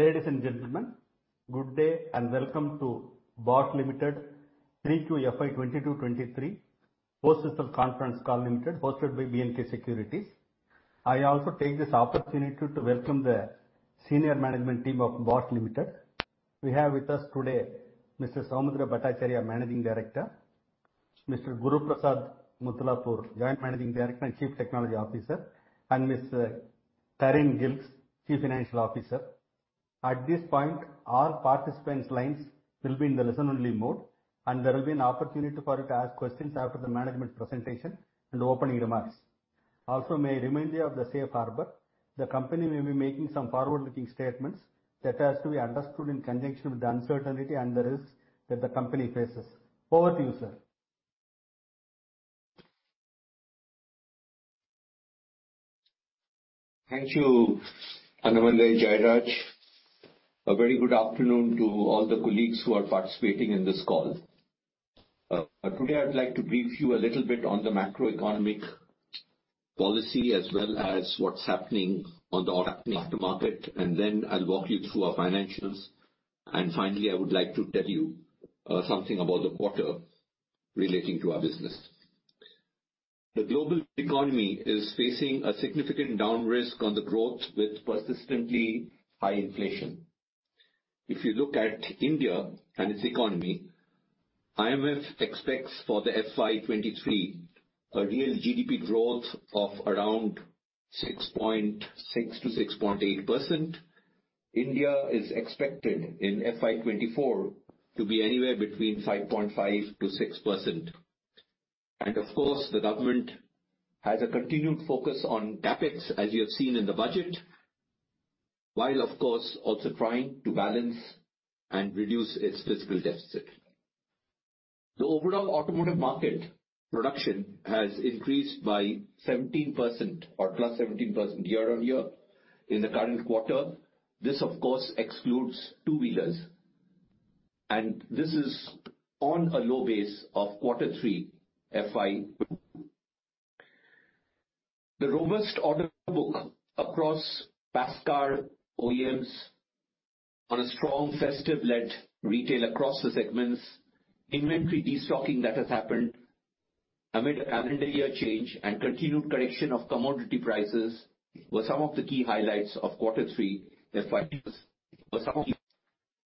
Ladies and gentlemen, good day and welcome to Bosch Limited Q3 FY 2022-2023 Post Results Conference Call limited, hosted by B&K Securities. I also take this opportunity to welcome the senior management team of Bosch Limited. We have with us today Mr. Soumitra Bhattacharya, Managing Director; Mr. Guruprasad Mudlapur, Joint Managing Director and Chief Technology Officer; and Ms. Karin Gilges, Chief Financial Officer. At this point, all participants' lines will be in the listen only mode, and there will be an opportunity for you to ask questions after the management presentation and opening remarks. May I remind you of the safe harbor. The company may be making some forward-looking statements that has to be understood in conjunction with the uncertainty and the risks that the company faces. Over to you, sir. Thank you, Annamalai Jayaraj. A very good afternoon to all the colleagues who are participating in this call. Today I'd like to brief you a little bit on the macroeconomic policy as well as what's happening on the auto aftermarket, and then I'll walk you through our financials. Finally, I would like to tell you something about the quarter relating to our business. The global economy is facing a significant down risk on the growth with persistently high inflation. If you look at India and its economy, IMF expects for the FY 2023 a real GDP growth of around 6.6%-6.8%. India is expected in FY 2024 to be anywhere between 5.5%-6%. Of course, the government has a continued focus on CapEx, as you have seen in the budget, while of course also trying to balance and reduce its fiscal deficit. The overall automotive market production has increased by 17% or +17% year-on-year in the current quarter. This of course excludes two-wheelers, and this is on a low base of Q3 FY. The robust order book across Passenger Car OEMs on a strong festive-led retail across the segments, inventory destocking that has happened amid a calendar year change and continued correction of commodity prices were some of the key highlights of Q3 FY.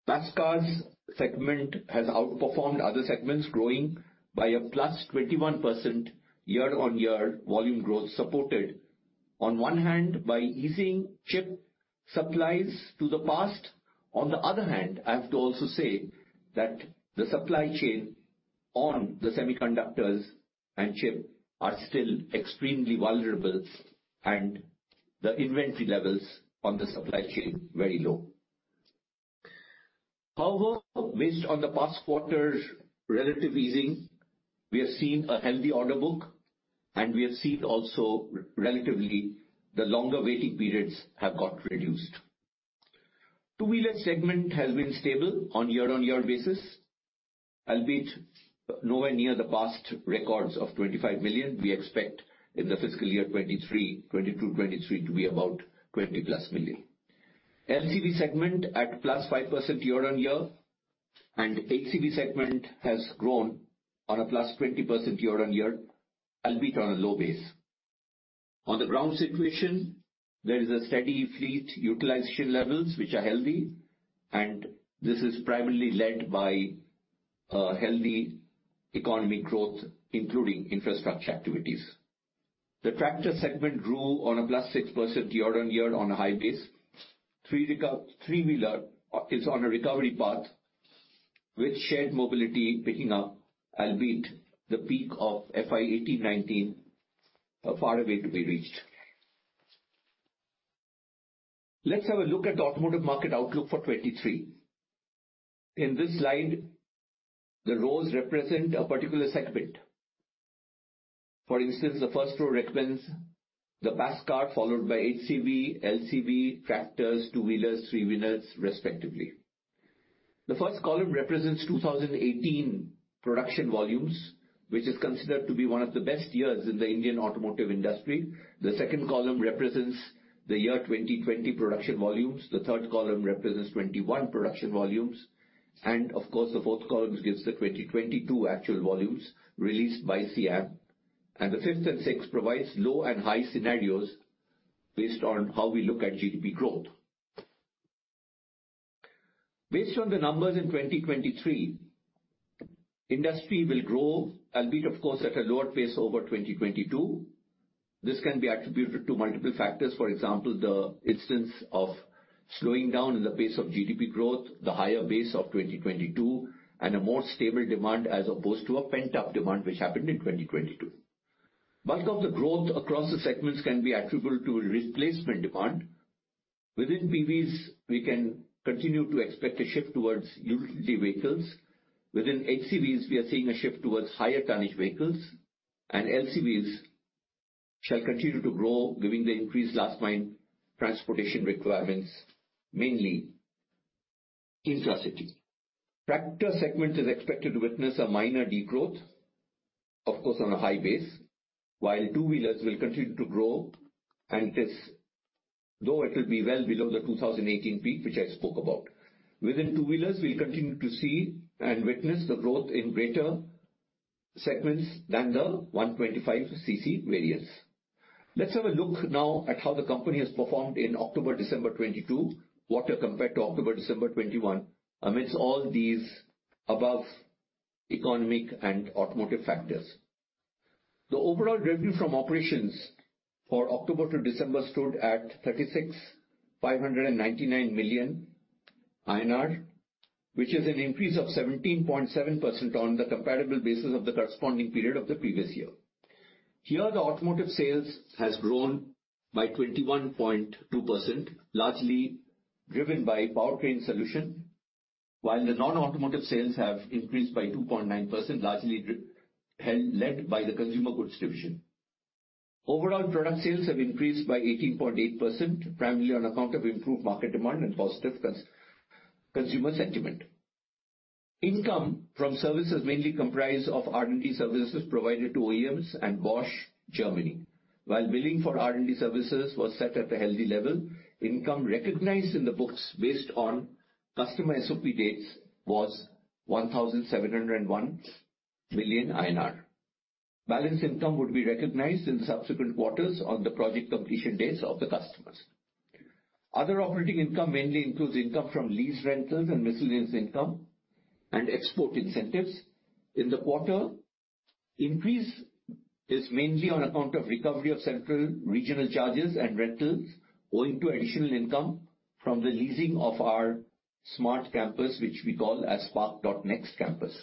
Pass Cars segment has outperformed other segments, growing by a +21% year-on-year volume growth, supported on one hand by easing chip supplies to the past. I have to also say that the supply chain on the semiconductors and chip are still extremely vulnerable and the inventory levels on the supply chain very low. Based on the past quarter's relative easing, we have seen a healthy order book and we have seen also relatively the longer waiting periods have got reduced. Two-wheeler segment has been stable on year-on-year basis, albeit nowhere near the past records of 25 million. We expect in the fiscal year 2022, 2023 to be about 20-plus million. LCV segment at +5% year-on-year, HCV segment has grown on a +20% year-on-year, albeit on a low base. On the ground situation, there is a steady fleet utilization levels which are healthy and this is primarily led by a healthy economy growth, including infrastructure activities. The tractor segment grew on a +6% year-on-year on a high base. Three-wheeler is on a recovery path with shared mobility picking up, albeit the peak of FY2018, 2019 are far away to be reached. Let's have a look at the automotive market outlook for 2023. In this slide, the rows represent a particular segment. For instance, the first row represents the Passenger Car, followed by HCV, LCV, tractors, two-wheelers, three-wheelers respectively. The first column represents 2018 production volumes, which is considered to be one of the best years in the Indian automotive industry. The second column represents the year 2020 production volumes. The third column represents 2021 production volumes, and of course the fourth column gives the 2022 actual volumes released by SIAM. The fifth and sixth provides low and high scenarios based on how we look at GDP growth. Based on the numbers in 2023, industry will grow, albeit of course at a lower pace over 2022. This can be attributed to multiple factors. For example, the instance of slowing down in the pace of GDP growth, the higher base of 2022, and a more stable demand as opposed to a pent-up demand which happened in 2022. Bulk of the growth across the segments can be attributable to replacement demand. Within PVs, we can continue to expect a shift towards utility vehicles. Within HCVs, we are seeing a shift towards higher tonnage vehicles. LCVs shall continue to grow giving the increased last mile transportation requirements, mainly-intra-city. Tractor segment is expected to witness a minor decline, of course, on a high base, while two-wheelers will continue to grow and this though it will be well below the 2018 peak, which I spoke about. Within two-wheelers, we'll continue to see and witness the growth in greater segments than the 125 cc variants. Let's have a look now at how the company has performed in October-December 2022 quarter compared to October-December 2021 amidst all these above economic and automotive factors. The overall revenue from operations for October to December stood at 36,599 million INR, which is an increase of 17.7% on the comparable basis of the corresponding period of the previous year. Here, the automotive sales has grown by 21.2%, largely driven by powertrain solution, while the non-automotive sales have increased by 2.9%, largely led by the consumer goods division. Overall, product sales have increased by 18.8%, primarily on account of improved market demand and positive consumer sentiment. Income from services mainly comprise of R&D services provided to OEMs and Bosch Germany. While billing for R&D services was set at a healthy level, income recognized in the books based on custom SOP dates was 1,701 million INR. Balance income would be recognized in subsequent quarters on the project completion dates of the customers. Other operating income mainly includes income from lease rentals and miscellaneous income and export incentives. In the quarter, increase is mainly on account of recovery of central regional charges and rentals owing to additional income from the leasing of our smart campus, which we call as Spark.NXT campus.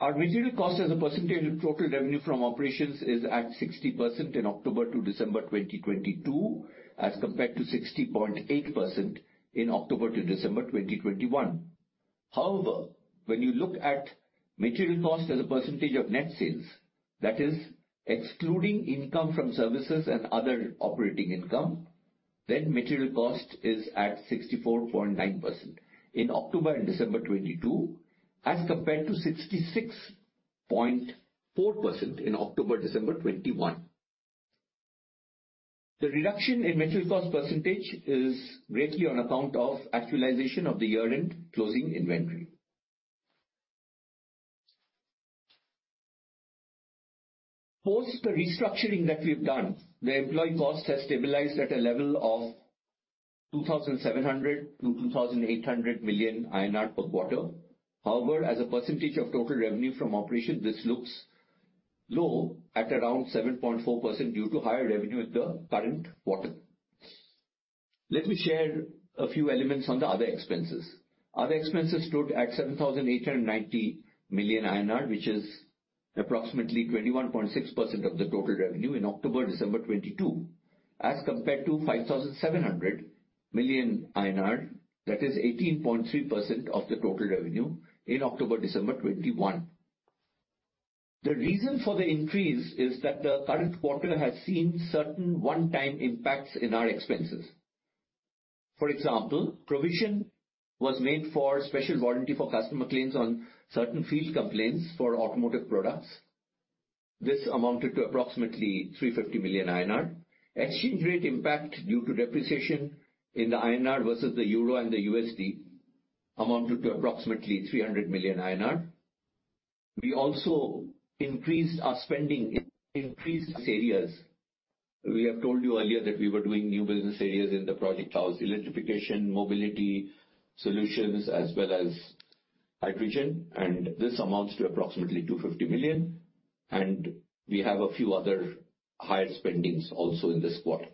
Our material cost as a percentage of total revenue from operations is at 60% in October to December 2022, as compared to 60.8% in October to December 2021. However, when you look at material cost as a percentage of net sales, that is excluding income from services and other operating income, then material cost is at 64.9% in October and December 2022, as compared to 66.4% in October-December 2021. The reduction in material cost percentage is greatly on account of actualization of the year-end closing inventory. Post the restructuring that we've done, the employee cost has stabilized at a level of 2,700 million-2,800 million INR per quarter. As a percentage of total revenue from operation, this looks low at around 7.4% due to higher revenue in the current quarter. Let me share a few elements on the other expenses. Other expenses stood at 7,890 million INR, which is approximately 21.6% of the total revenue in October-December 2022, as compared to 5,700 million INR, that is 18.3% of the total revenue in October-December 2021. The reason for the increase is that the current quarter has seen certain one-time impacts in our expenses. For example, provision was made for special warranty for customer claims on certain field complaints for automotive products. This amounted to approximately 350 million INR. Exchange rate impact due to depreciation in the INR versus the euro and the USD amounted to approximately 300 million INR. We also increased our spending in increased areas. We have told you earlier that we were doing new business areas in the Project House Electrification, Project House Mobility Solutions, as well as hydrogen, and this amounts to approximately 250 million, and we have a few other higher spendings also in this quarter.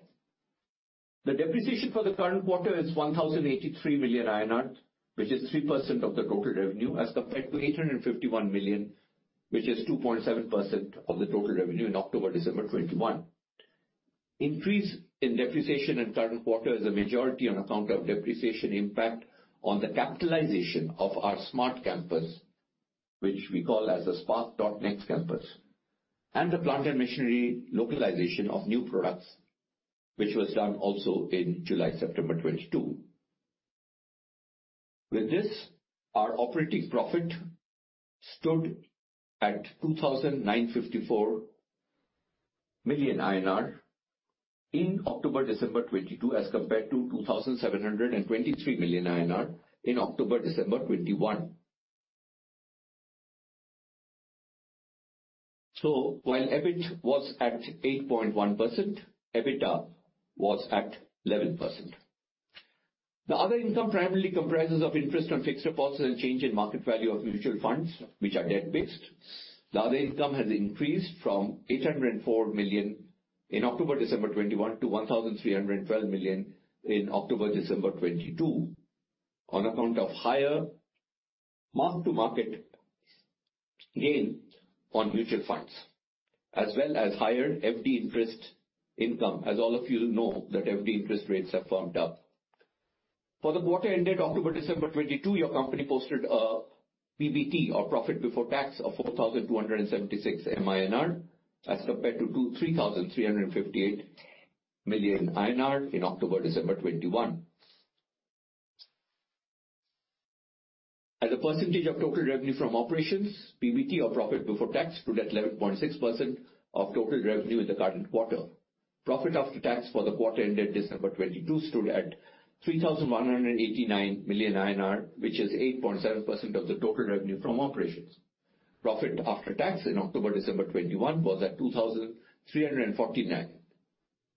The depreciation for the current quarter is 1,083 million INR, which is 3% of the total revenue, as compared to 851 million, which is 2.7% of the total revenue in October-December 2021. Increase in depreciation in current quarter is a majority on account of depreciation impact on the capitalization of our smart campus, which we call as the Spark.NXT campus, and the plant and machinery localization of new products, which was done also in July-September 2022. With this, our operating profit stood at 2,954 million INR in October-December 2022, as compared to 2,723 million INR in October-December 2021. While EBIT was at 8.1%, EBITDA was at 11%. The other income primarily comprises of interest on fixed deposits and change in market value of mutual funds, which are debt-based. The other income has increased from 804 million in October-December 2021 to 1,312 million in October-December 2022 on account of higher mark-to-market gain on mutual funds as well as higher FD interest income, as all of you know that FD interest rates have firmed up. For the quarter ended October-December 2022, your company posted PBT or profit before tax of 4,276 million, as compared to 3,358 million INR in October-December 2021. As a percentage of total revenue from operations, PBT or profit before tax stood at 11.6% of total revenue in the current quarter. Profit after tax for the quarter ended December 2022 stood at 3,189 million INR, which is 8.7% of the total revenue from operations. Profit after tax in October, December 2021 was at 2,349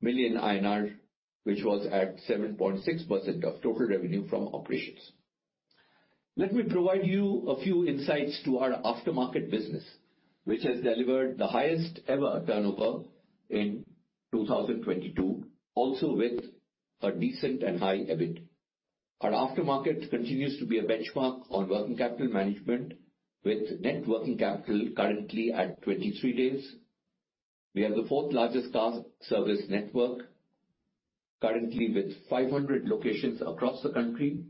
million INR, which was at 7.6% of total revenue from operations. Let me provide you a few insights to our aftermarket business, which has delivered the highest ever turnover in 2022, also with a decent and high EBIT. Our aftermarket continues to be a benchmark on working capital management, with net working capital currently at 23 days. We are the fourth largest car service network, currently with 500 locations across the country.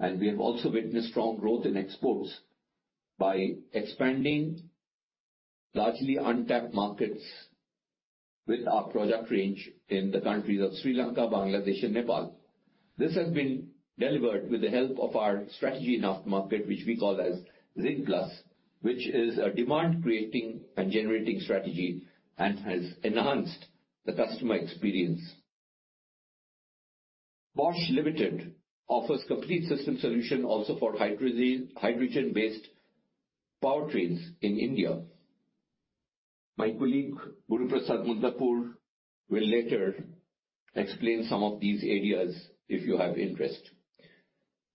We have also witnessed strong growth in exports by expanding largely untapped markets with our product range in the countries of Sri Lanka, Bangladesh and Nepal. This has been delivered with the help of our strategy in aftermarket, which we call as Zig Plus, which is a demand creating and generating strategy and has enhanced the customer experience. Bosch Limited offers complete system solution also for hydrogen-based powertrains in India. My colleague, Guruprasad Mudlapur, will later explain some of these areas if you have interest.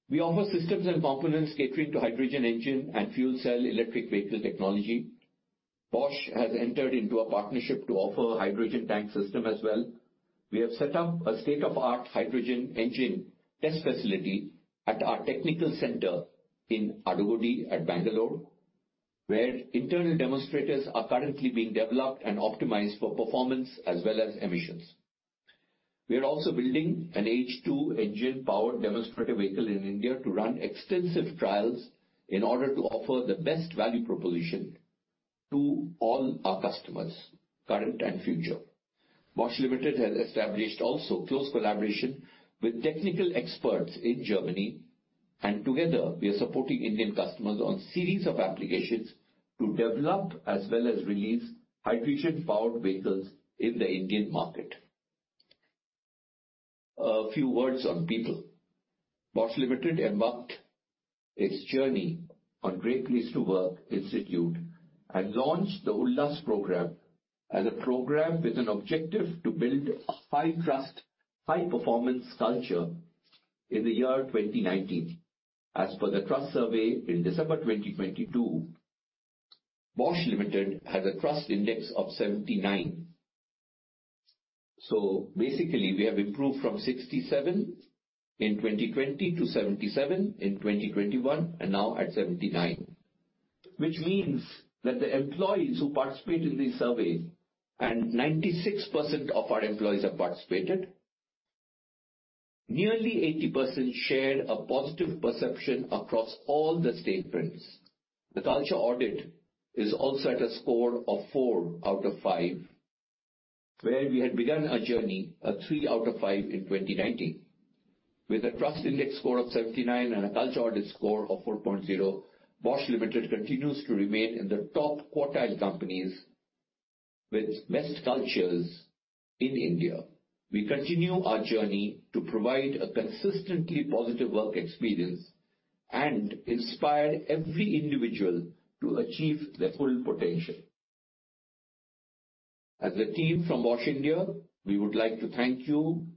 We offer systems and components catering to hydrogen engine and fuel cell electric vehicle technology. Bosch has entered into a partnership to offer hydrogen tank system as well. We have set up a state-of-art hydrogen engine test facility at our technical center in Adugodi at Bangalore, where internal demonstrators are currently being developed and optimized for performance as well as emissions. We are also building an H2 engine powered demonstrator vehicle in India to run extensive trials in order to offer the best value proposition to all our customers, current and future. Bosch Limited has established also close collaboration with technical experts in Germany, and together we are supporting Indian customers on series of applications to develop as well as release hydrogen-powered vehicles in the Indian market. A few words on people. Bosch Limited embarked its journey on Great Place to Work Institute and launched the Ullas program as a program with an objective to build a high trust, high performance culture in the year 2019. As per the trust survey in December 2022, Bosch Limited has a trust index of 79. Basically we have improved from 67 in 2020 to 77 in 2021 and now at 79. Which means that the employees who participate in these surveys, and 96% of our employees have participated, nearly 80% shared a positive perception across all the statements. The culture audit is also at a score of four out of five, where we had begun our journey at three out of five in 2019. With a trust index score of 79 and a culture audit score of 4.0, Bosch Limited continues to remain in the top quartile companies with best cultures in India. We continue our journey to provide a consistently positive work experience and inspire every individual to achieve their full potential. As a team from Bosch India, we would like to thank you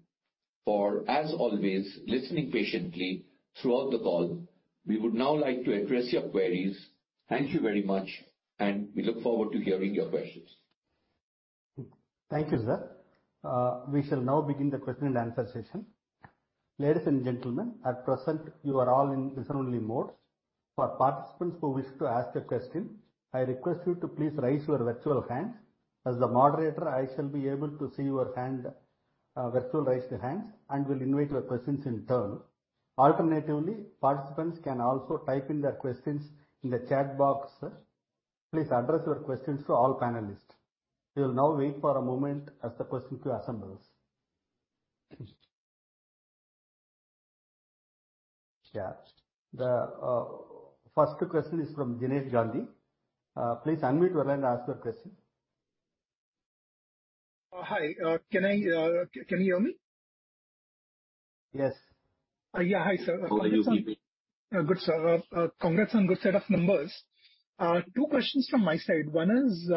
for, as always, listening patiently throughout the call. We would now like to address your queries. Thank you very much, and we look forward to hearing your questions. Thank you, sir. We shall now begin the question and answer session. Ladies and gentlemen, at present, you are all in listen-only mode. For participants who wish to ask a question, I request you to please raise your virtual hands. As the moderator, I shall be able to see your hand, virtual raised hands, and will invite your questions in turn. Alternatively, participants can also type in their questions in the chat box. Please address your questions to all panelists. We will now wait for a moment as the question queue assembles. The first question is from Jinesh Gandhi. Please unmute and ask your question. Hi. Can you hear me? Yes. Yeah, hi, sir. Over to you, D.P. Good, sir. Congrats on good set of numbers. Two questions from my side. One is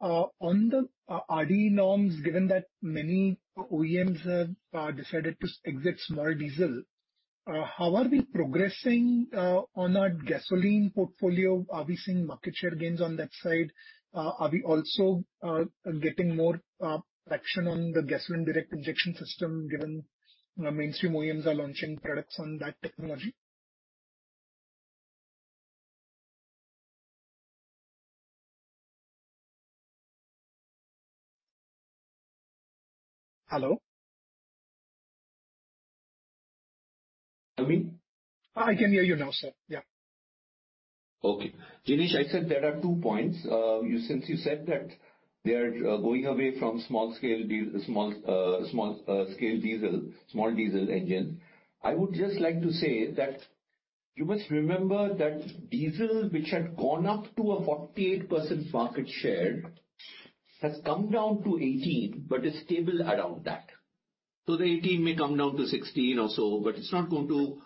on the RDE norms, given that many OEMs have decided to exit small diesel, how are we progressing on our gasoline portfolio? Are we seeing market share gains on that side? Are we also getting more traction on the gasoline direct injection system given mainstream OEMs are launching products on that technology? Hello? Can you hear me? I can hear you now, sir. Yeah. Okay. Jinesh, I said there are two points. Since you said that they are going away from small scale diesel, small diesel engine. I would just like to say that you must remember that diesel, which had gone up to a 48% market share, has come down to 18, but is stable around that. The 18 may come down to 16 or so, but it's not going to,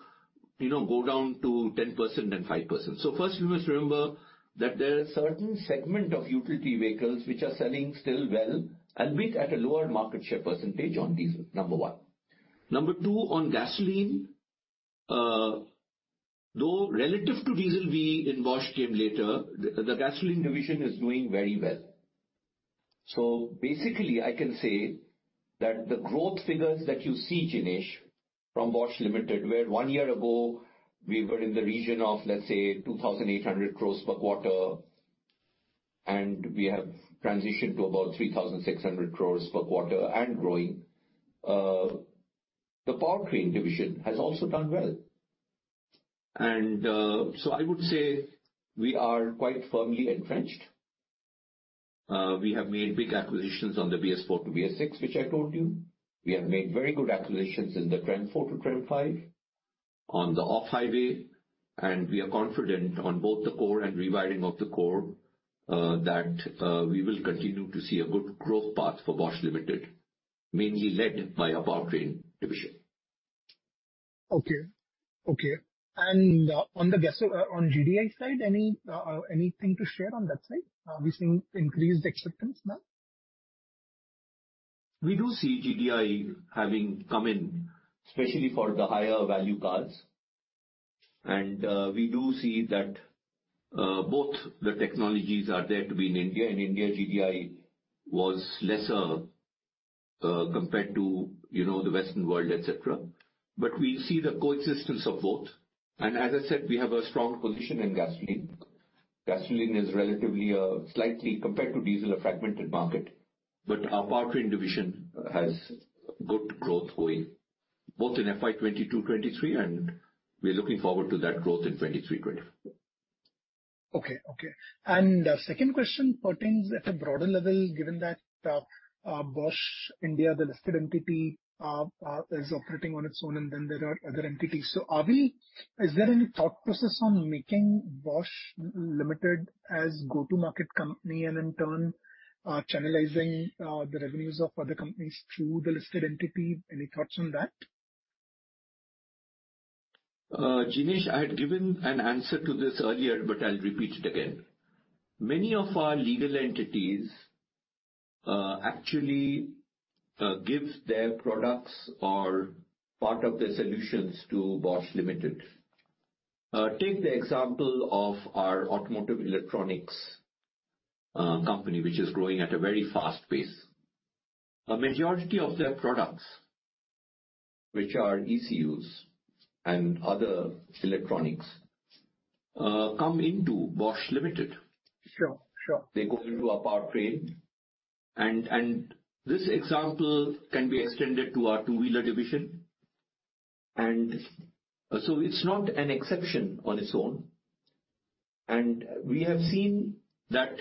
you know, go down to 10% and 5%. First, you must remember that there are certain segment of utility vehicles which are selling still well, albeit at a lower market share percentage on diesel, number one. Number two, on gasoline, though relative to diesel, we in Bosch came later, the gasoline division is doing very well. Basically, I can say that the growth figures that you see, Jinesh, from Bosch Limited, where one year ago we were in the region of, let's say, 2,800 crores per quarter, and we have transitioned to about 3,600 crores per quarter and growing. The powertrain division has also done well. I would say we are quite firmly entrenched. We have made big acquisitions on the BS4 to BS6, which I told you. We have made very good acquisitions in the TREM IV to TREM V, on the off-highway, and we are confident on both the core and rewiring of the core, that we will continue to see a good growth path for Bosch Limited, mainly led by our powertrain division. Okay. Okay. On the GDI side, any, anything to share on that side? Are we seeing increased acceptance now? We do see GDI having come in, especially for the higher value cars. We do see that both the technologies are there to be in India. In India, GDI was lesser, compared to, you know, the Western world, et cetera. We see the coexistence of both. As I said, we have a strong position in gasoline. Gasoline is relatively a slightly, compared to diesel, a fragmented market, but our powertrain division has good growth going, both in FY 2022, 2023, and we are looking forward to that growth in 2023, 2024. Okay, okay. Second question pertains at a broader level, given that Bosch India, the listed entity, is operating on its own and then there are other entities. Is there any thought process on making Bosch Limited as go-to-market company and in turn, channelizing the revenues of other companies through the listed entity? Any thoughts on that? Jinesh, I had given an answer to this earlier. I'll repeat it again. Many of our legal entities actually give their products or part of their solutions to Bosch Limited. Take the example of our automotive electronics company, which is growing at a very fast pace. A majority of their products, which are ECUs and other electronics, come into Bosch Limited. Sure. Sure. They go into our powertrain. This example can be extended to our two-wheeler division. It's not an exception on its own. We have seen that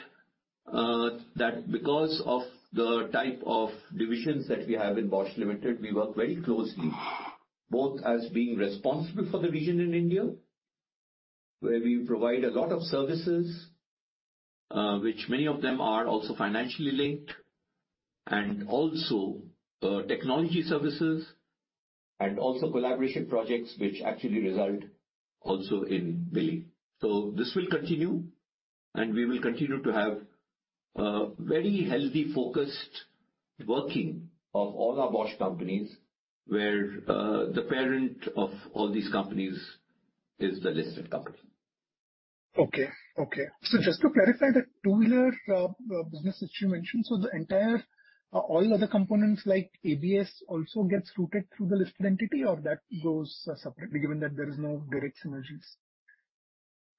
because of the type of divisions that we have in Bosch Limited, we work very closely, both as being responsible for the region in India, where we provide a lot of services, which many of them are also financially linked, and also technology services and also collaboration projects which actually result also in billing. This will continue, and we will continue to have a very healthy, focused working of all our Bosch companies, where the parent of all these companies is the listed company. Okay. Okay. Just to clarify the two-wheeler business that you mentioned, the entire all other components like ABS also gets routed through the listed entity or that goes separately, given that there is no direct synergies?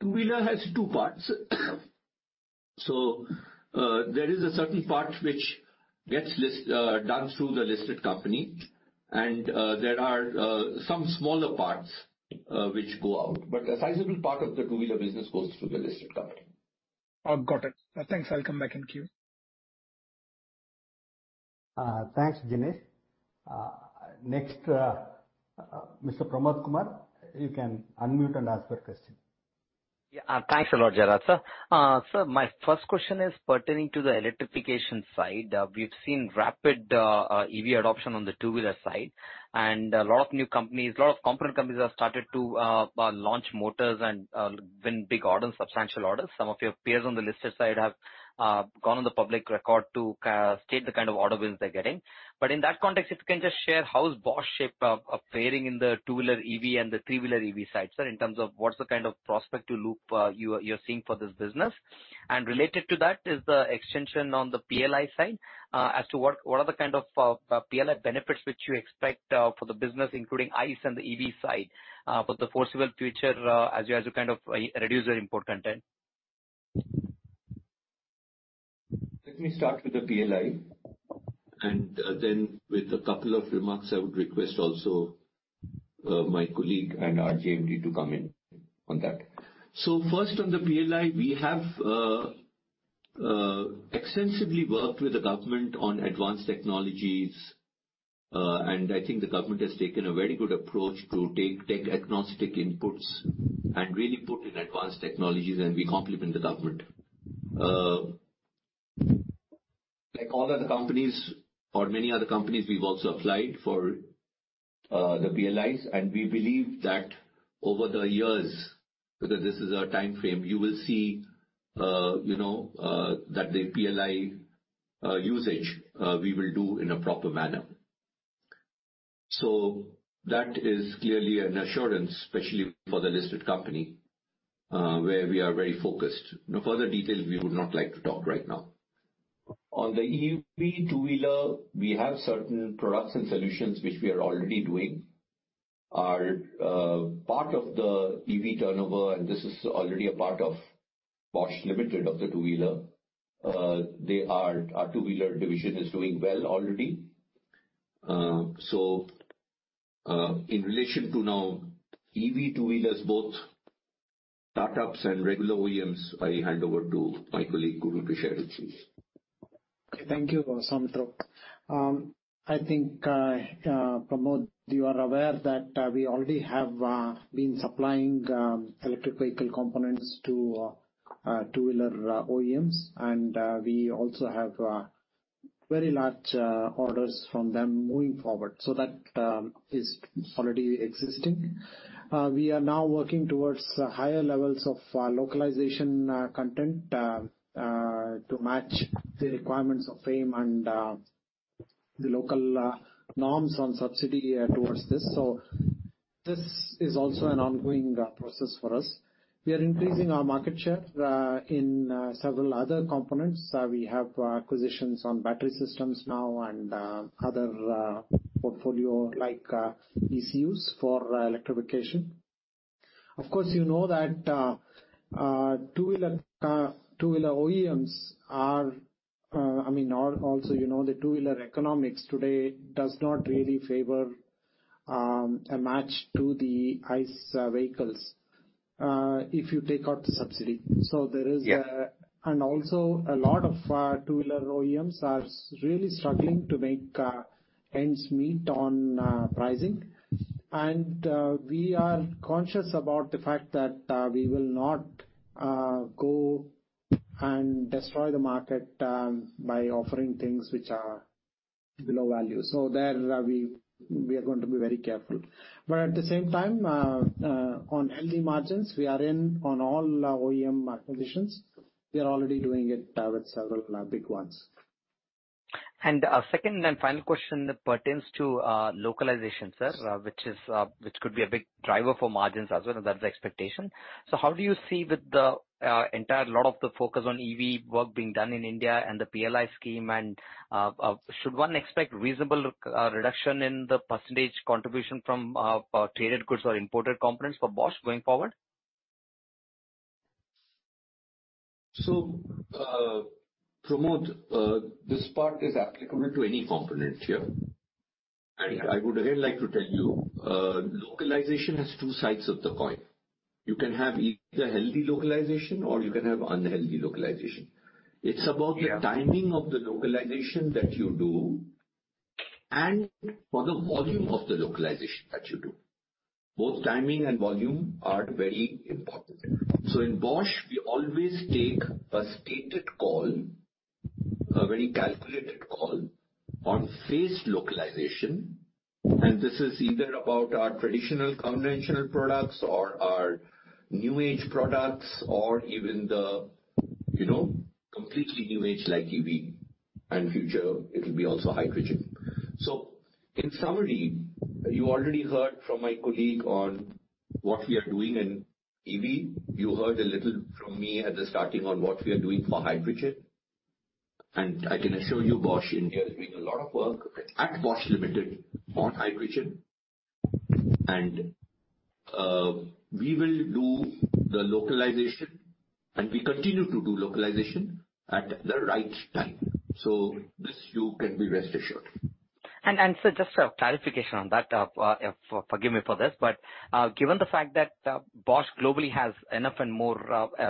Two-wheeler has two parts. There is a certain part which gets done through the listed company. There are some smaller parts which go out, but a sizable part of the two-wheeler business goes through the listed company. Got it. Thanks. I'll come back in queue. Thanks, Jinesh. Next, Mr. Pramod Kumar, you can unmute and ask your question. Thanks a lot, Jairaj sir. Sir, my first question is pertaining to the electrification side. We've seen rapid EV adoption on the two-wheeler side, and a lot of new companies, lot of component companies have started to launch motors and win big orders, substantial orders. Some of your peers on the listed side have gone on the public record to state the kind of order wins they're getting. In that context, if you can just share how is Bosch shaped faring in the two-wheeler EV and the three-wheeler EV side, sir, in terms of what's the kind of prospect to look, you're seeing for this business? Related to that is the extension on the PLI side, as to what are the kind of PLI benefits which you expect for the business, including ICE and the EV side, for the foreseeable future, as you kind of reduce your import content? Let me start with the PLI and then with a couple of remarks, I would request also, my colleague and our GM to come in on that. First on the PLI, we have extensively worked with the government on advanced technologies. I think the government has taken a very good approach to take tech agnostic inputs and really put in advanced technologies, and we compliment the government. Like all other companies or many other companies, we've also applied for the PLIs, and we believe that over the years, because this is our timeframe, you will see, you know, that the PLI usage, we will do in a proper manner. That is clearly an assurance, especially for the listed company, where we are very focused. No further details we would not like to talk right now. On the EV two-wheeler, we have certain products and solutions which we are already doing. Our part of the EV turnover, and this is already a part of Bosch Limited of the two-wheeler. Our two-wheeler division is doing well already. In relation to now EV two-wheelers, both startups and regular OEMs, I hand over to my colleague, Guruprasad Mudlapur. Thank you, Soumitra. I think, Pramod, you are aware that we already have been supplying electric vehicle components to two-wheeler OEMs, and we also have very large orders from them moving forward. That is already existing. We are now working towards higher levels of localization content to match the requirements of FAME and the local norms on subsidy towards this. This is also an ongoing process for us. We are increasing our market share in several other components. We have acquisitions on battery systems now and other portfolio like ECUs for electrification. Of course, you know that, two-wheeler OEMs are, I mean, are also, you know, the two-wheeler economics today does not really favor a match to the ICE vehicles, if you take out the subsidy. Yeah. Also a lot of two-wheeler OEMs are really struggling to make ends meet on pricing. We are conscious about the fact that we will not go and destroy the market by offering things which are below value. There we are going to be very careful. At the same time, on healthy margins, we are in on all OEM acquisitions. We are already doing it with several big ones. Second and final question pertains to localization, sir, which is which could be a big driver for margins as well, and that's the expectation. How do you see with the entire lot of the focus on EV work being done in India and the PLI scheme and should one expect reasonable reduction in the % contribution from traded goods or imported components for Bosch going forward? Pramod, this part is applicable to any component here. I would really like to tell you, localization has two sides of the coin. You can have either healthy localization or you can have unhealthy localization. Yeah. It's about the timing of the localization that you do and for the volume of the localization that you do. Both timing and volume are very important. In Bosch, we always take a stated call, a very calculated call on phased localization. This is either about our traditional conventional products or our new age products or even the, you know, completely new age like EV and future it will be also hydrogen. In summary, you already heard from my colleague on what we are doing in EV. You heard a little from me at the starting on what we are doing for hydrogen. I can assure you, Bosch India is doing a lot of work at Bosch Limited on hydrogen. We will do the localization and we continue to do localization at the right time. This you can be rest assured. Sir, just a clarification on that. Forgive me for this, but given the fact that Bosch globally has enough and more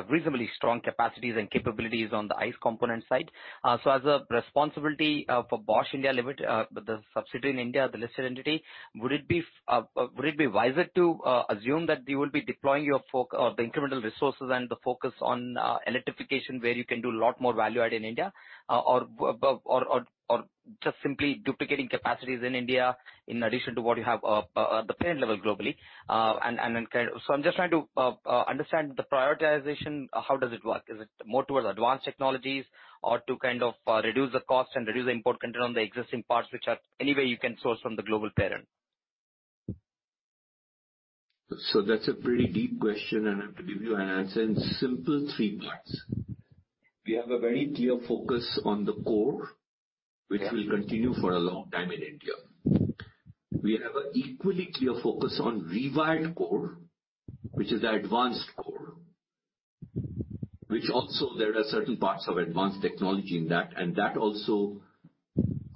reasonably strong capacities and capabilities on the ICE component side. As a responsibility for Bosch Limited, the subsidiary in India, the listed entity, would it be wiser to assume that you will be deploying your focus or the incremental resources and the focus on electrification, where you can do a lot more value add in India, or just simply duplicating capacities in India in addition to what you have at the parent level globally? I'm just trying to understand the prioritization, how does it work? Is it more towards advanced technologies or to kind of reduce the cost and reduce the import content on the existing parts, which are anyway you can source from the global parent? That's a pretty deep question, and I have to give you an answer in simple three parts. We have a very clear focus on the. Yeah. -which will continue for a long time in India. We have an equally clear focus on revived core, which is the advanced core, which also there are certain parts of advanced technology in that. That also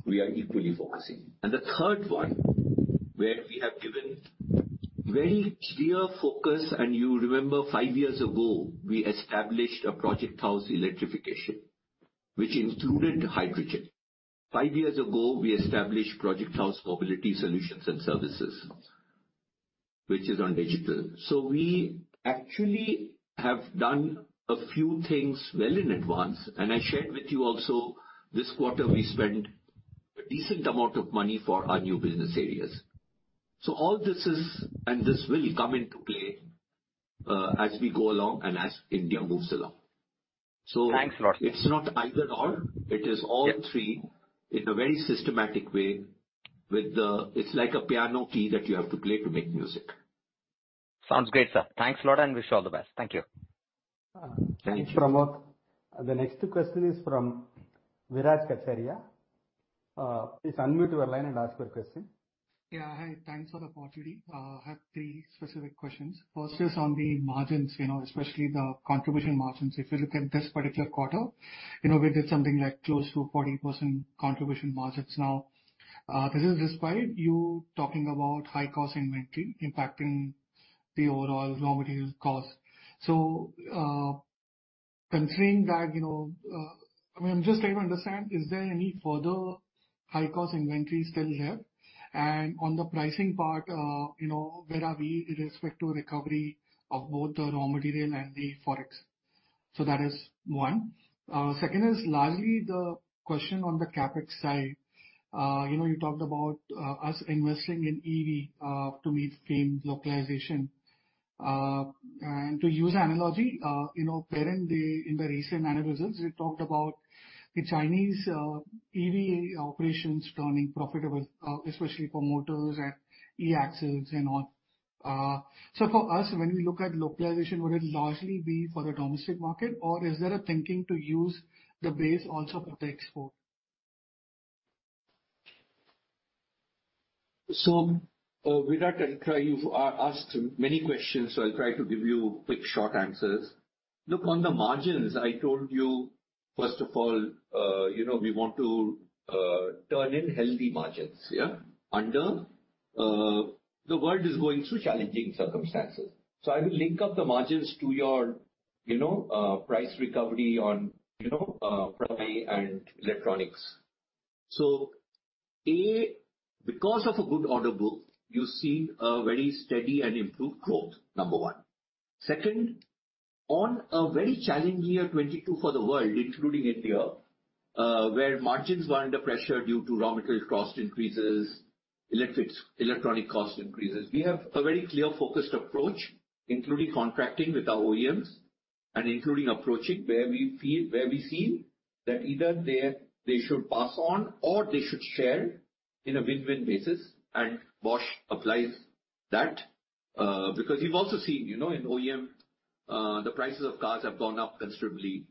we are equally focusing. The third one, where we have given very clear focus, and you remember five years ago, we established a Project House Electrification, which included hydrogen. Five years ago, we established Project House Mobility Solutions and Services, which is on digital. We actually have done a few things well in advance. I shared with you also this quarter, we spent a decent amount of money for our new business areas. All this is, and this will come into play, as we go along and as India moves along. Thanks a lot. It's not either/or. It is all three in a very systematic way with the... It's like a piano key that you have to play to make music. Sounds great, sir. Thanks a lot. Wish you all the best. Thank you. Thank you. Thanks, Pramod. The next question is from Viraj Kacharia. Please unmute your line and ask your question. Yeah. Hi. Thanks for the opportunity. I have three specific questions. First is on the margins, you know, especially the contribution margins. If you look at this particular quarter, you know, we did something like close to 40% contribution margins now. This is despite you talking about high cost inventory impacting the overall raw material cost. Considering that, you know, I mean, I'm just trying to understand, is there any further high-cost inventory still here? On the pricing part, you know, where are we with respect to recovery of both the raw material and the Forex? That is one. Second is largely the question on the CapEx side. You know, you talked about us investing in EV to meet FAME localization. To use analogy, you know, currently in the recent annual results, we talked about the Chinese EV operations turning profitable, especially for motors and eAxles and all. For us, when we look at localization, would it largely be for the domestic market, or is there a thinking to use the base also for the export? Viraj, I'll try... You've asked many questions, so I'll try to give you quick, short answers. Look, on the margins, I told you, first of all, you know, we want to turn in healthy margins, yeah. The world is going through challenging circumstances. I will link up the margins to your, you know, price recovery on, you know, raw material and electronics. A, because of a good order book, you see a very steady and improved growth, number one. Second, on a very challenging year 2022 for the world, including India, where margins were under pressure due to raw material cost increases, electronic cost increases. We have a very clear focused approach, including contracting with our OEMs and including approaching where we've seen that either they should pass on or they should share in a win-win basis. Bosch applies that. Because you've also seen, you know, in OEM, the prices of cars have gone up considerably.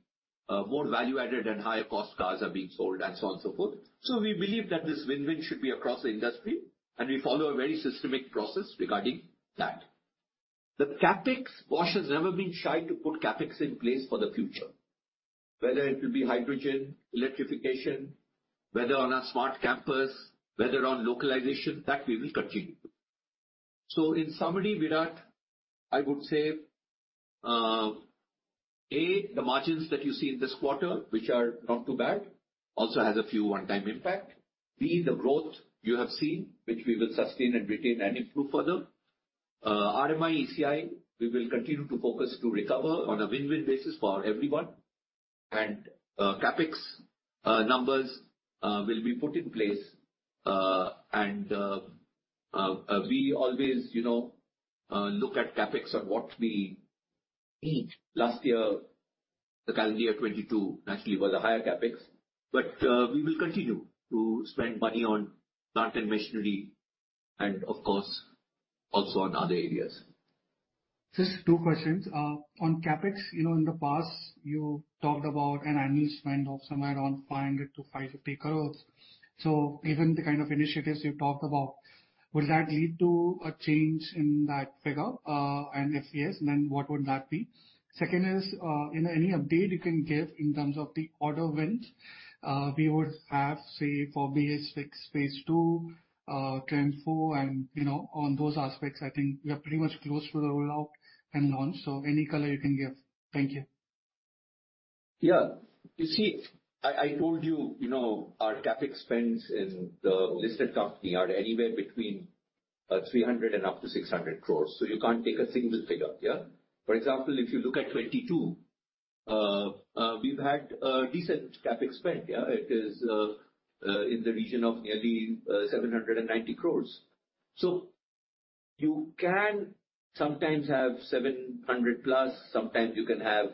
More value-added and higher cost cars are being sold and so on, so forth. We believe that this win-win should be across the industry, and we follow a very systemic process regarding that. The CapEx, Bosch has never been shy to put CapEx in place for the future. Whether it will be hydrogen, electrification, whether on a smart campus, whether on localization, that we will continue. In summary, Viraj, I would say, A, the margins that you see in this quarter, which are not too bad, also has a few one-time impact. B, the growth you have seen, which we will sustain and retain and improve further. RMI, ECI, we will continue to focus to recover on a win-win basis for everyone. CapEx numbers will be put in place. We always, you know, look at CapEx on what we need. Last year, the calendar year 2022 naturally was a higher CapEx, but we will continue to spend money on plant and machinery and of course, also on other areas. Just two questions. On CapEx, you know, in the past, you talked about an annual spend of somewhere around 500-550 crores. Given the kind of initiatives you've talked about, will that lead to a change in that figure? If yes, then what would that be? Second is, you know, any update you can give in terms of the order wins, we would have, say, for BS6 Phase 2, TREM IV and, you know, on those aspects, I think we are pretty much close to the rollout and launch. Any color you can give. Thank you. Yeah. You see, I told you know, our CapEx spends in the listed company are anywhere between 300 and up to 600 crores. You can't take a single figure, yeah. For example, if you look at 2022, we've had a decent CapEx spend, yeah. It is in the region of nearly 790 crores. You can sometimes have 700 plus, sometimes you can have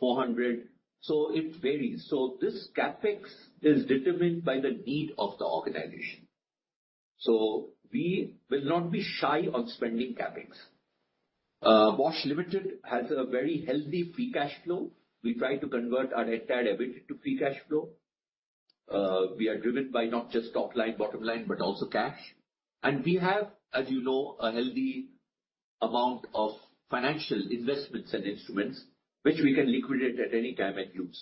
400, so it varies. This CapEx is determined by the need of the organization. We will not be shy on spending CapEx. Bosch Limited has a very healthy free cash flow. We try to convert our head count ability to free cash flow. We are driven by not just top line, bottom line, but also cash. We have, as you know, a healthy amount of financial investments and instruments which we can liquidate at any time and use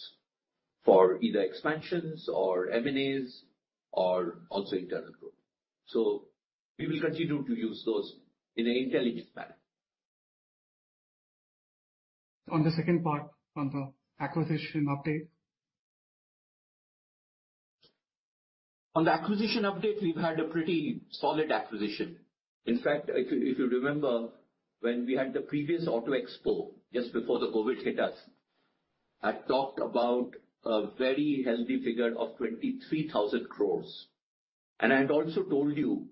for either expansions or M&As or also internal growth. We will continue to use those in an intelligent manner. On the second part on the acquisition update. On the acquisition update, we've had a pretty solid acquisition. In fact, if you remember when we had the previous Auto Expo, just before the COVID hit us, I talked about a very healthy figure of 23,000 crores. I had also told you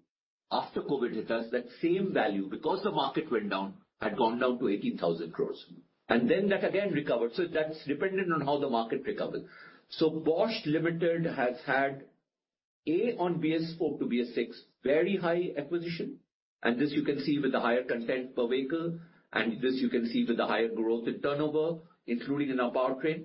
after COVID hit us, that same value, because the market went down, had gone down to 18,000 crores and then that again recovered. That's dependent on how the market recovers. Bosch Limited has had, A, on BS4 to BS6, very high acquisition. This you can see with the higher content per vehicle, this you can see with the higher growth in turnover, including in our powertrain.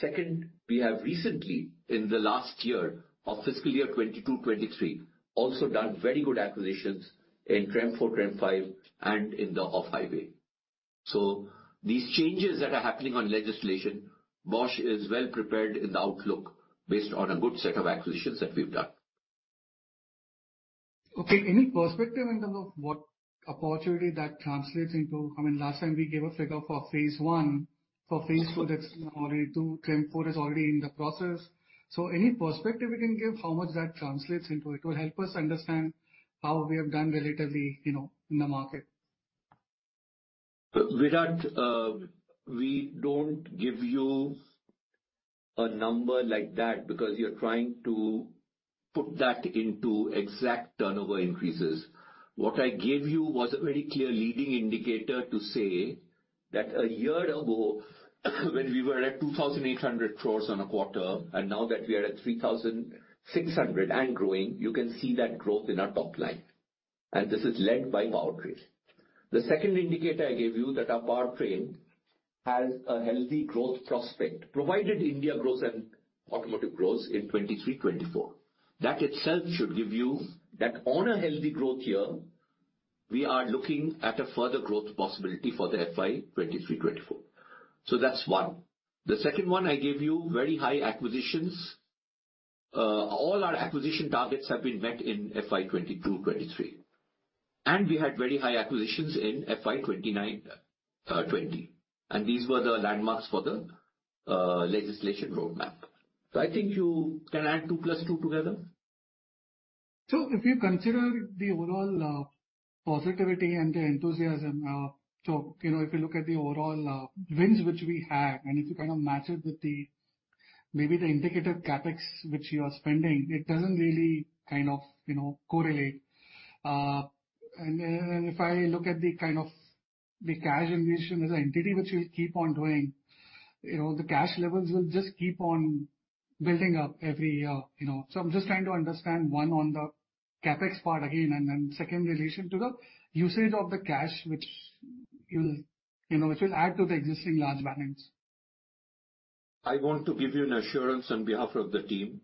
Second, we have recently, in the last year of fiscal year 2022-2023, also done very good acquisitions in TREM IV, TREM V and in the off-highway. These changes that are happening on legislation, Bosch is well prepared in the outlook based on a good set of acquisitions that we've done. Okay. Any perspective in terms of what opportunity that translates into? I mean, last time we gave a figure for phase one. For phase two, that's already 2. TREM IV is already in the process. Any perspective you can give how much that translates into. It will help us understand how we have done relatively, you know, in the market. Viraj, we don't give you a number like that because you're trying to put that into exact turnover increases. What I gave you was a very clear leading indicator to say that a year ago when we were at 2,800 crores on a quarter, and now that we are at 3,600 and growing, you can see that growth in our top line. This is led by powertrain. The second indicator I gave you that our powertrain has a healthy growth prospect, provided India grows and automotive grows in 23, 24. That itself should give you that on a healthy growth year, we are looking at a further growth possibility for the FY 2023-2024. That's one. The second one I gave you, very high acquisitions. All our acquisition targets have been met in FY 2022, 2023, and we had very high acquisitions in FY 2029, 2020, and these were the landmarks for the legislation roadmap. I think you can add 2 plus 2 together. If you consider the overall positivity and the enthusiasm, you know, if you look at the overall wins which we had and if you kind of match it with the maybe the indicated CapEx which you are spending, it doesn't really kind of, you know, correlate. If I look at the kind of the cash generation as an entity which you'll keep on doing, you know, the cash levels will just keep on building up every year, you know. I'm just trying to understand, one, on the CapEx part again, and then second relation to the usage of the cash which you'll, you know, which will add to the existing large balance. I want to give you an assurance on behalf of the team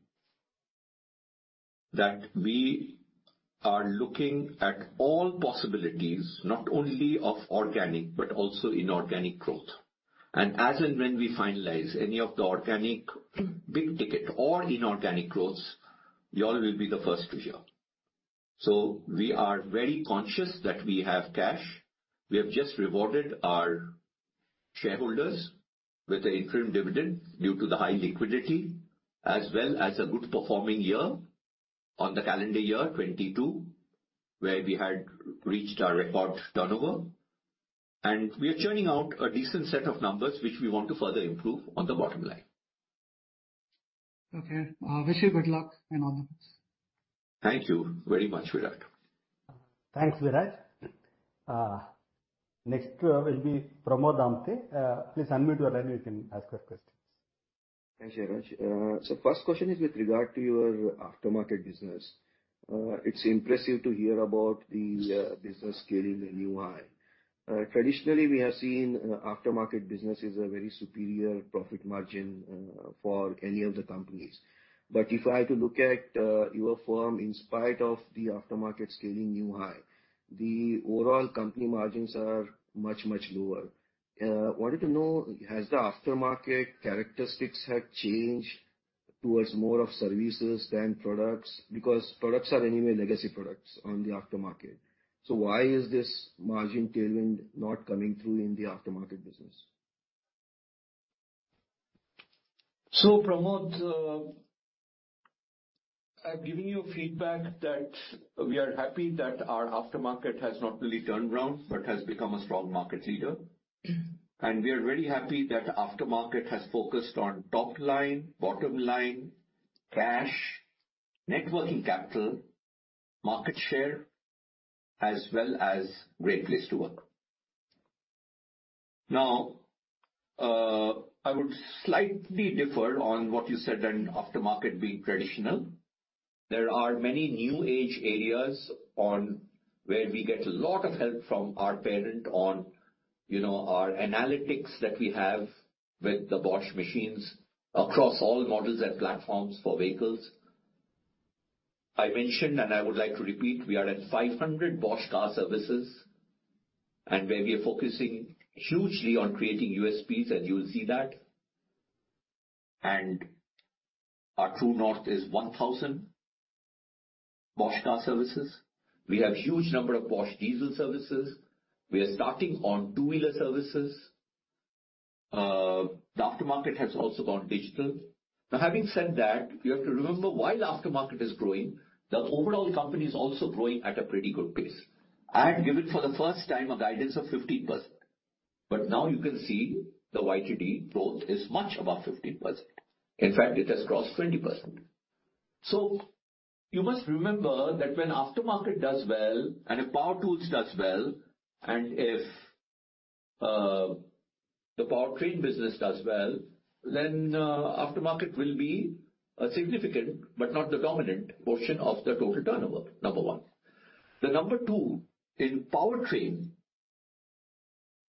that we are looking at all possibilities not only of organic but also inorganic growth. As and when we finalize any of the organic big ticket or inorganic growth, you all will be the first to hear. We are very conscious that we have cash. We have just rewarded our shareholders with the interim dividend due to the high liquidity as well as a good performing year on the calendar year 2022, where we had reached our record turnover. We are churning out a decent set of numbers which we want to further improve on the bottom line. Okay. Wish you good luck in all this. Thank you very much, Viraj. Thanks, Viraj. Next will be Pramod Amthe. Please unmute your line. You can ask your questions. Hi, Shekar. First question is with regard to your aftermarket business. It's impressive to hear about the business scaling a new high. Traditionally we have seen aftermarket business is a very superior profit margin for any of the companies. If I have to look at your firm, in spite of the aftermarket scaling new high, the overall company margins are much, much lower. Wanted to know, has the aftermarket characteristics had changed towards more of services than products? Because products are anyway legacy products on the aftermarket. Why is this margin tailwind not coming through in the aftermarket business? Pramod, I've given you feedback that we are happy that our aftermarket has not only turned around but has become a strong market leader. We are very happy that aftermarket has focused on top line, bottom line, cash, networking capital, market share, as well as Great Place to Work. Now, I would slightly differ on what you said on aftermarket being traditional. There are many new age areas on where we get a lot of help from our parent on, you know, our analytics that we have with the Bosch machines across all models and platforms for vehicles. I mentioned, and I would like to repeat, we are at 500 Bosch Car Service and where we are focusing hugely on creating USPs, and you will see that. Our true north is 1,000 Bosch Car Service. We have huge number of Bosch Diesel Service. We are starting on two-wheeler services. The aftermarket has also gone digital. Having said that, you have to remember, while aftermarket is growing, the overall company is also growing at a pretty good pace. I had given for the first time a guidance of 15%, now you can see the YTD growth is much above 15%. In fact, it has crossed 20%. You must remember that when aftermarket does well and if power tools does well, and if the powertrain business does well, then aftermarket will be a significant but not the dominant portion of the total turnover, number 1. The number 2, in powertrain,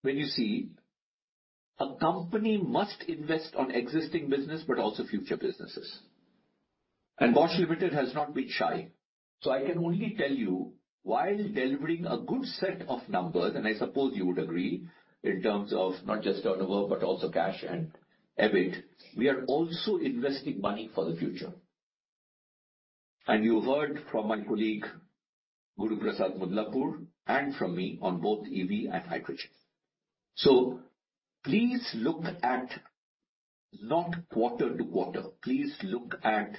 when you see a company must invest on existing business but also future businesses. Bosch Limited has not been shy. I can only tell you, while delivering a good set of numbers, and I suppose you would agree in terms of not just turnover, but also cash and EBIT, we are also investing money for the future. You heard from my colleague, Guruprasad Mudlapur, and from me on both EV and hydrogen. Please look at not quarter to quarter. Please look at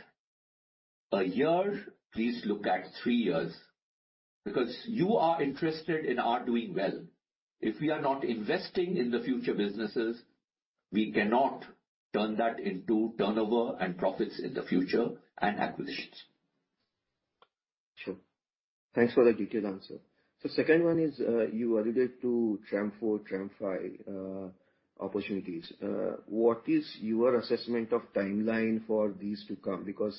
a year. Please look at three years. You are interested in our doing well. If we are not investing in the future businesses, we cannot turn that into turnover and profits in the future and acquisitions. Sure. Thanks for the detailed answer. Second one is, you alluded to TREM IV, TREM V opportunities. What is your assessment of timeline for these to come? Because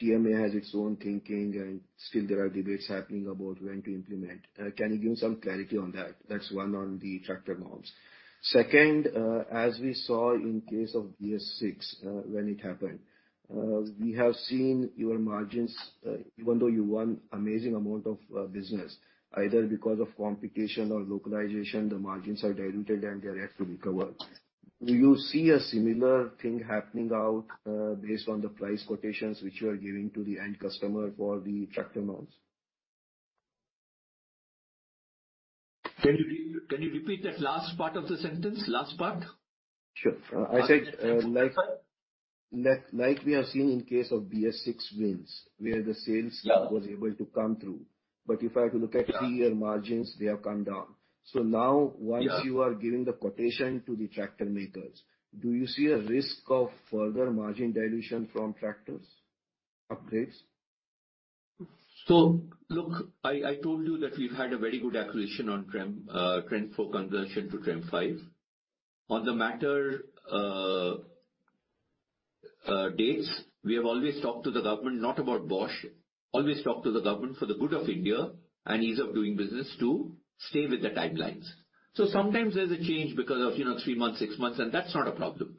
TMA has its own thinking and still there are debates happening about when to implement. Can you give some clarity on that? That's one on the tractor norms. As we saw in case of BS6, when it happened, we have seen your margins, even though you won amazing amount of business, either because of complication or localization, the margins are diluted and they're yet to recover. Do you see a similar thing happening out based on the price quotations which you are giving to the end customer for the tractor norms? Can you repeat that last part of the sentence? Last part. Sure. I said, like we are seeing in case of BS6 wins, where the sales- Yeah. was able to come through. If I have to look at. Yeah. three-year margins, they have come down. now once- Yeah. you are giving the quotation to the tractor makers, do you see a risk of further margin dilution from tractors upgrades? Look, I told you that we've had a very good acquisition on TREM IV conversion to TREM V. On the matter, dates, we have always talked to the government, not about Bosch. Always talked to the government for the good of India and ease of doing business to stay with the timelines. Sometimes there's a change because of, you know, 3 months, 6 months, and that's not a problem.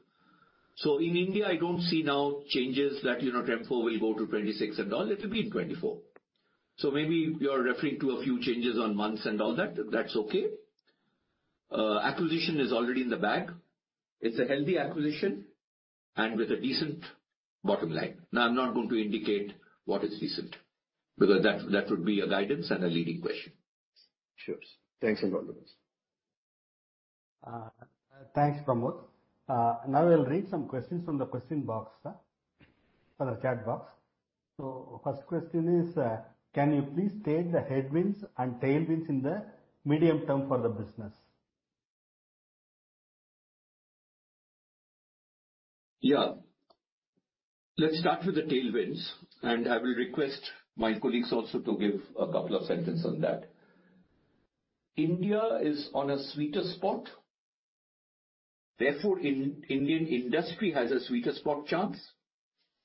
In India, I don't see now changes that, you know, TREM IV will go to 2026 and all. It'll be in 2024. Maybe you are referring to a few changes on months and all that. That's okay. Acquisition is already in the bag. It's a healthy acquisition and with a decent bottom line. I'm not going to indicate what is decent, because that would be a guidance and a leading question. Sure. Thanks a lot. Thanks, Pramod. Now we'll read some questions from the question box, sir, or the chat box. First question is, can you please state the headwinds and tailwinds in the medium term for the business? Let's start with the tailwinds, and I will request my colleagues also to give a couple of sentences on that. India is on a sweeter spot. Therefore, Indian industry has a sweeter spot chance,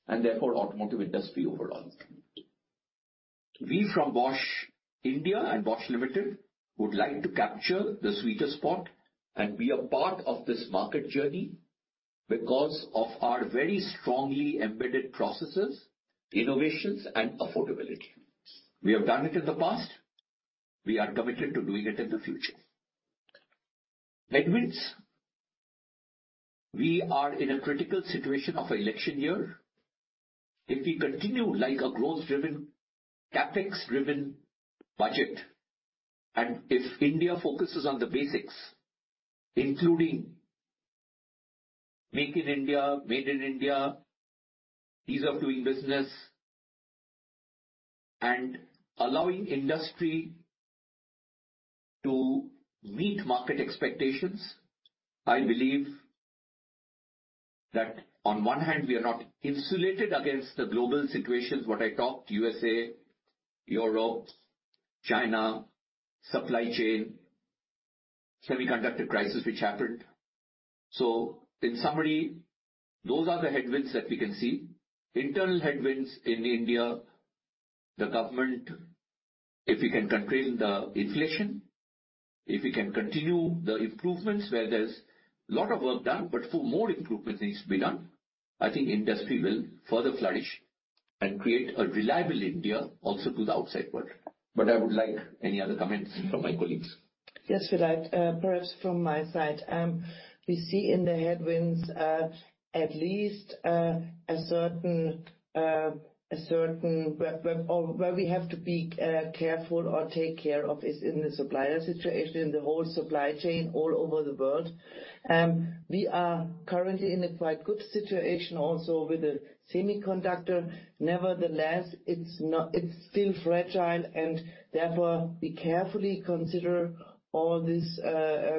and therefore, automotive industry overall. We from Bosch India and Bosch Limited would like to capture the sweeter spot and be a part of this market journey because of our very strongly embedded processes, innovations and affordability. We have done it in the past. We are committed to doing it in the future. Headwinds. We are in a critical situation of election year. If we continue like a growth driven, CapEx driven budget, if India focuses on the basics, including Make in India, Made in India, ease of doing business, and allowing industry to meet market expectations, I believe that on one hand, we are not insulated against the global situations, what I talked, U.S., Europe, China, supply chain, semiconductor crisis which happened. In summary, those are the headwinds that we can see. Internal headwinds in India, the government, if we can control the inflation, if we can continue the improvements where there's a lot of work done, but for more improvement needs to be done. I think industry will further flourish and create a reliable India also to the outside world. I would like any other comments from my colleagues. Yes, Jayaraj, perhaps from my side. We see in the headwinds, at least, a certain where, or where we have to be careful or take care of is in the supplier situation, the whole supply chain all over the world. We are currently in a quite good situation also with the semiconductor. Nevertheless, it's still fragile and therefore we carefully consider all these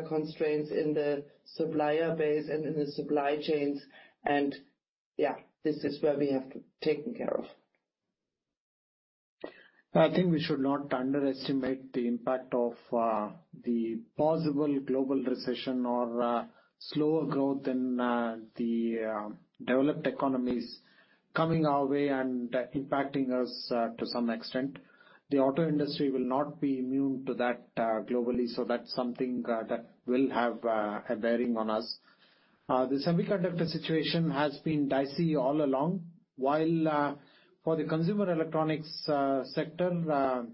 constraints in the supplier base and in the supply chains. Yeah, this is where we have to taken care of. I think we should not underestimate the impact of the possible global recession or slower growth in the developed economies coming our way and impacting us to some extent. The auto industry will not be immune to that globally, so that's something that will have a bearing on us. The semiconductor situation has been dicey all along, while for the consumer electronics sector,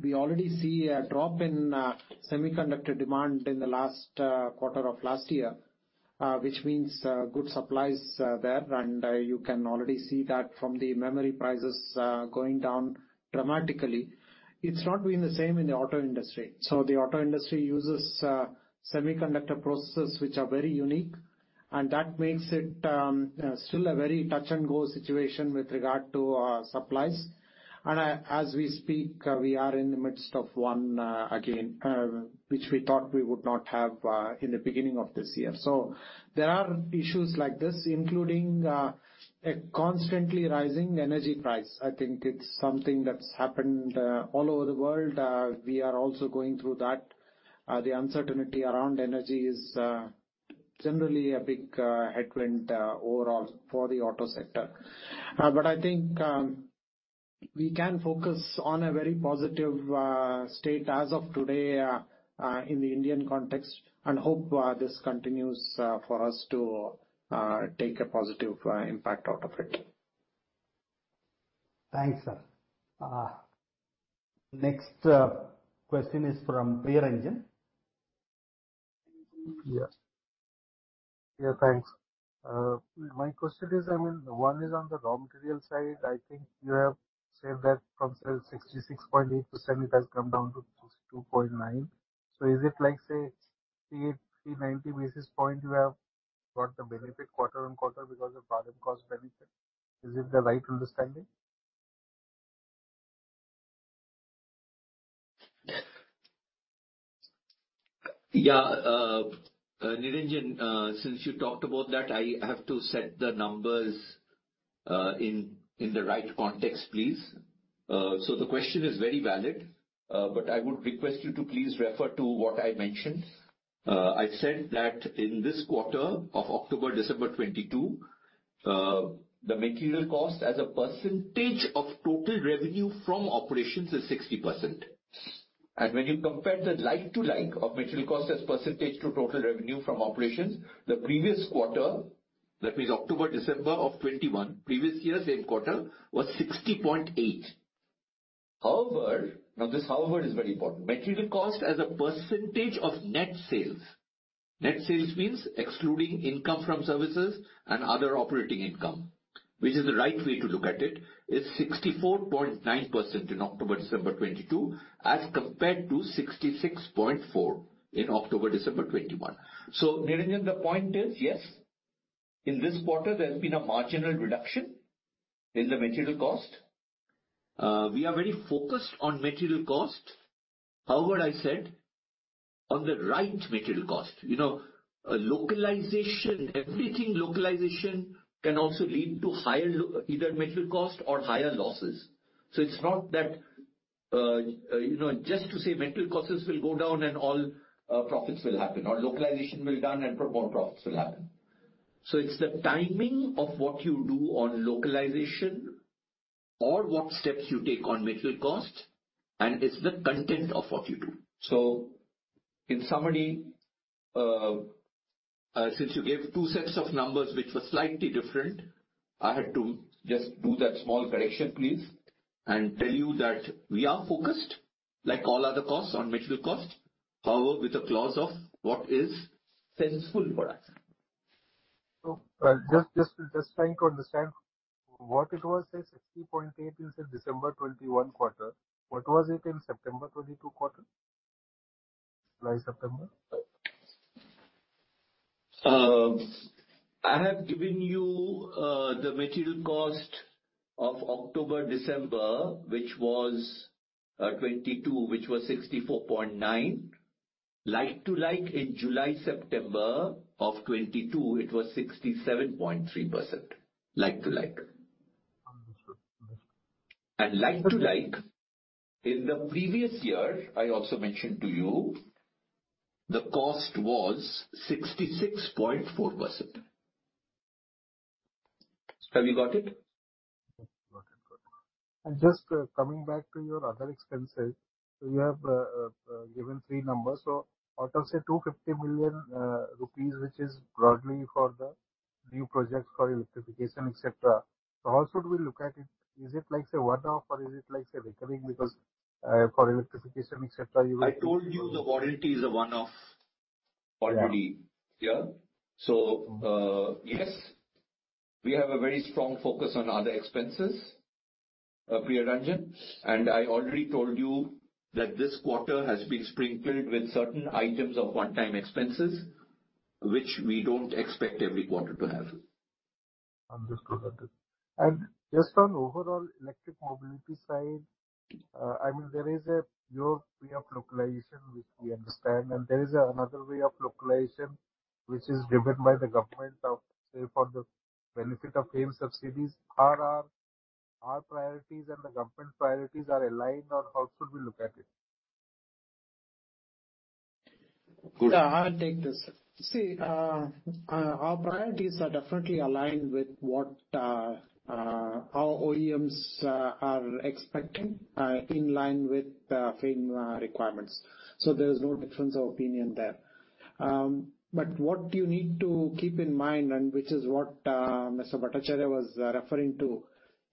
we already see a drop in semiconductor demand in the last quarter of last year, which means good supply is there. You can already see that from the memory prices going down dramatically. It's not been the same in the auto industry. The auto industry uses semiconductor processors which are very unique, and that makes it still a very touch-and-go situation with regard to supplies. As we speak, we are in the midst of one again, which we thought we would not have in the beginning of this year. There are issues like this, including a constantly rising energy price. I think it's something that's happened all over the world. We are also going through that. The uncertainty around energy is generally a big headwind overall for the auto sector. But I think we can focus on a very positive state as of today in the Indian context, and hope this continues for us to take a positive impact out of it. Thanks, sir. Next question is from Niranjan. Yeah, thanks. My question is, I mean, one is on the raw material side. I think you have said that from 66.8% it has come down to 2.9%. Is it like, say, 390 basis points you have got the benefit quarter-on-quarter because of bottom cost benefit? Is it the right understanding? Niranjan, since you talked about that, I have to set the numbers in the right context, please. The question is very valid, but I would request you to please refer to what I mentioned. I said that in this quarter of October-December 2022, the material cost as a percentage of total revenue from operations is 60%. When you compare the like to like of material cost as percentage to total revenue from operations, the previous quarter, that means October-December of 2021, previous year same quarter, was 60.8. However, now this however is very important. Material cost as a percentage of net sales, net sales means excluding income from services and other operating income, which is the right way to look at it, is 64.9% in October-December 2022, as compared to 66.4% in October-December 2021. Niranjan, the point is, yes, in this quarter there has been a marginal reduction in the material cost. We are very focused on material cost. However, I said on the right material cost. You know, everything localization can also lead to higher either material cost or higher losses. It's not that, you know, just to say material costs will go down and all, profits will happen, or localization will done and more profits will happen. It's the timing of what you do on localization or what steps you take on material costs, and it's the content of what you do. In summary, since you gave two sets of numbers which were slightly different, I had to just do that small correction, please. Tell you that we are focused, like all other costs on material cost, however, with the clause of what is sensible for us. just trying to understand what it was, say, 60.8 in, say, December 2021 quarter. What was it in September 2022 quarter? July-September. I have given you material cost of October, December, which was 2022, which was 64.9%, like to like in July, September of '22, it was 67.3%, like to like. Understood. Like to like in the previous year, I also mentioned to you the cost was 66.4%. Have you got it? Got it. Got it. Just coming back to your other expenses, you have given three numbers. Out of, say, 250 million rupees, which is broadly for the new projects for electrification, et cetera. How should we look at it? Is it like, say, one-off or is it like, say, recurring because for electrification, et cetera, you will I told you the warranty is a one-off. Yeah. already. yes, we have a very strong focus on other expenses, Priya Ranjan, I already told you that this quarter has been sprinkled with certain items of one-time expenses, which we don't expect every quarter to have. Understood. Understood. Just on overall electric mobility side, I mean, there is a your way of localization, which we understand, and there is another way of localization which is driven by the government of, say, for the benefit of FAME subsidies. Are our priorities and the government priorities are aligned or how should we look at it? Sure. Yeah. I'll take this. See, our priorities are definitely aligned with what our OEMs are expecting in line with the FAME requirements. There's no difference of opinion there. But what you need to keep in mind, and which is what Mr. Bhattacharya was referring to,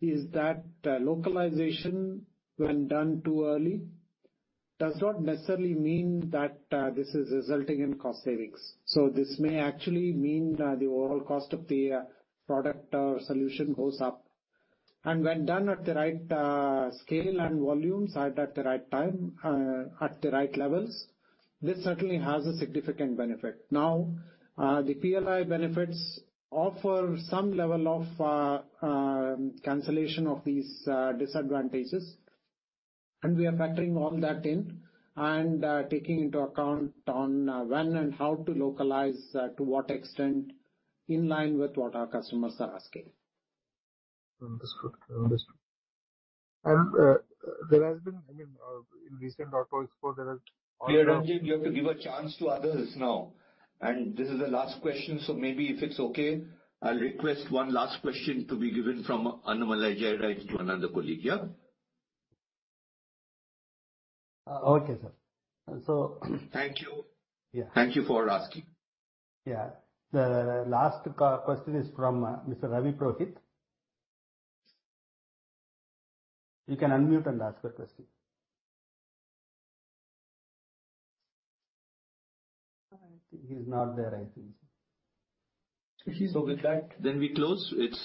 is that localization when done too early does not necessarily mean that this is resulting in cost savings. This may actually mean that the overall cost of the product or solution goes up. When done at the right scale and volumes at the right time, at the right levels, this certainly has a significant benefit. Now, the PLI benefits offer some level of cancellation of these disadvantages, and we are factoring all that in and taking into account on when and how to localize to what extent in line with what our customers are asking. Understood. Understood. There has been... I mean, in recent Auto Expo. Priya Ranjan, you have to give a chance to others now. This is the last question, maybe if it's okay, I'll request one last question to be given from Annamalai Jayaraj to another colleague, yeah. Okay, sir. Thank you. Yeah. Thank you for asking. Yeah. The last question is from Mr. Ravi Purohit. You can unmute and ask the question. I think he's not there, I think. With that. We close. It's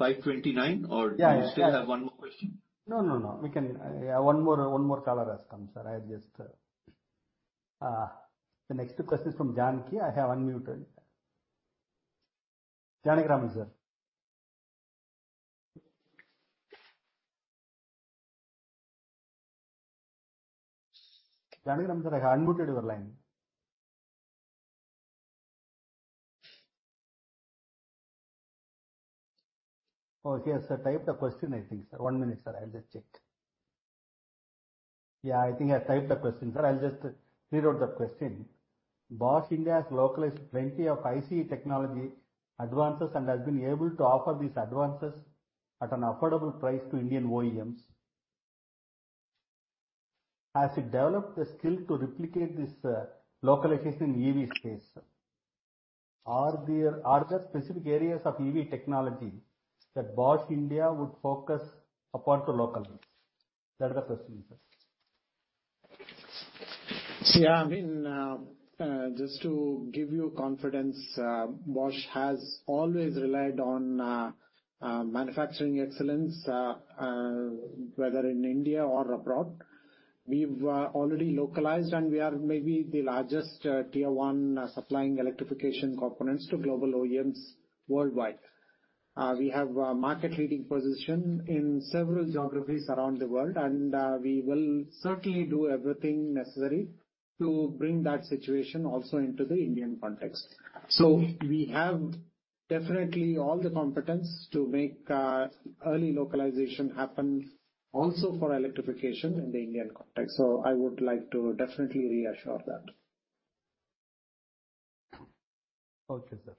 5:29 P.M. Yeah, yeah. Do you still have one more question? No, no. One more caller has come, sir. I'll just. The next question is from Jan Gram. I have unmuted. Jan Gram, sir, I have unmuted your line. Oh, he has typed a question, I think, sir. One minute, sir. I'll just check. I think I typed a question, sir. I'll just reread the question. Bosch India has localized plenty of ICE technology advances and has been able to offer these advances at an affordable price to Indian OEMs. Has it developed the skill to replicate this localization in EV space, sir? Are there specific areas of EV technology that Bosch India would focus upon to localize? That's the question, sir. I mean, just to give you confidence, Bosch has always relied on manufacturing excellence, whether in India or abroad. We've already localized, and we are maybe the largest tier-one supplying electrification components to global OEMs worldwide. We have a market leading position in several geographies around the world, and we will certainly do everything necessary to bring that situation also into the Indian context. We have definitely all the competence to make early localization happen also for electrification in the Indian context. I would like to definitely reassure that. Okay, sir.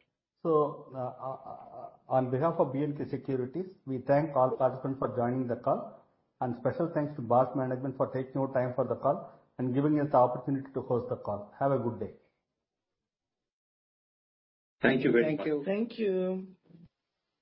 On behalf of B&K Securities, we thank all participants for joining the call. Special thanks to Bosch management for taking out time for the call and giving us the opportunity to host the call. Have a good day. Thank you very much. Thank you. Thank you.